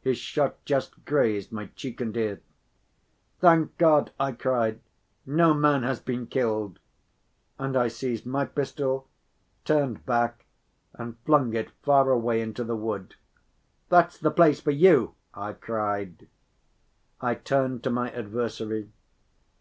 His shot just grazed my cheek and ear. "Thank God," I cried, "no man has been killed," and I seized my pistol, turned back and flung it far away into the wood. "That's the place for you," I cried. I turned to my adversary.